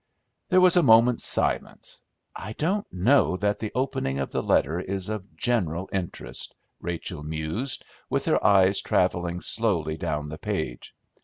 There was a moment's silence. "I don't know that the opening of the letter is of general interest," Rachel mused, with her eyes traveling slowly down the page.